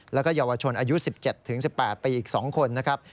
แล้วก็เยาวชนอายุ๑๗๑๘ปีอีก๒คนนะครับ